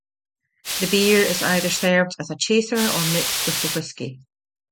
The beer is either served as a chaser or mixed with the whiskey.